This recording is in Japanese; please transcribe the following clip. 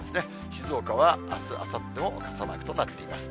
静岡はあす、あさっても、傘マークとなっています。